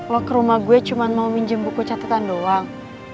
loh ke rumah gue cuma mau minjem buku catatan doang